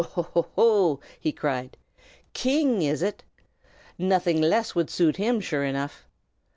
"Ho! ho! ho!" he cried. "King, is it? Nothing less would suit him, sure enough!